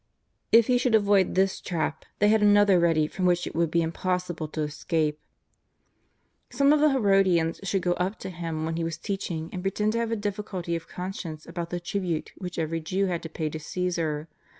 If He should avoid this trap, they had another ready from which it would be impossible to escape. Some of the Herodians should go up to Him when He was teaching and pretend to have a difficulty of conscience about the tribute which every Jew had to pay to Caesar.